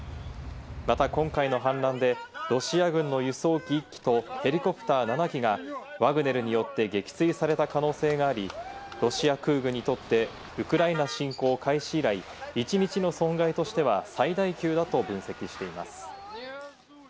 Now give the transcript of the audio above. また今回の反乱で、ロシア軍の輸送機１機とヘリコプター７機がワグネルによって撃墜された可能性があり、ロシア空軍にとってウクライナ侵攻開始以来、一日の損害としては最大級だと分析しています。